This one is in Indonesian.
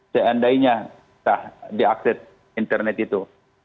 seandainya tak diakses internet itu